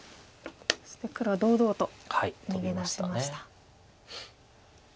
そして黒は堂々と逃げ出しました。